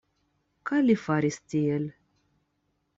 Kaj li faris tiel.